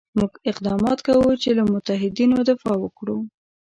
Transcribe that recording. موږ اقدامات کوو چې له متحدینو دفاع وکړو.